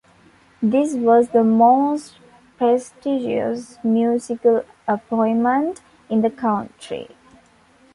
This was the most prestigious musical appointment in the country.